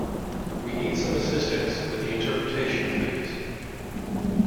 We need some assistance with the interpretation, please.